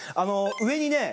上にね